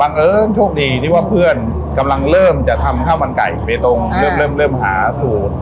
เอิญโชคดีที่ว่าเพื่อนกำลังเริ่มจะทำข้าวมันไก่เบตงเริ่มเริ่มหาสูตร